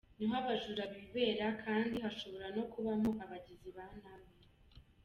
Niho abajura bibera kandi hashora no kubamo abagizi ba nabi.